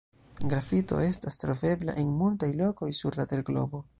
Grafito estas trovebla en multaj lokoj sur la terglobo.